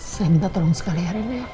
saya minta tolong sekali ya rena